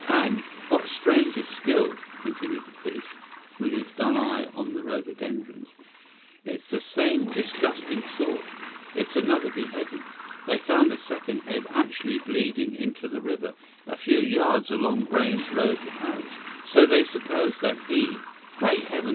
"And, what's stranger still," continued the priest, with his dull eye on the rhododendrons, "it's the same disgusting sort; it's another beheading. They found the second head actually bleeding into the river, a few yards along Brayne's road to Paris; so they suppose that he " "Great Heaven!"